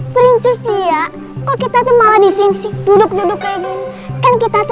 princess dia kok kita semangat disini duduk duduk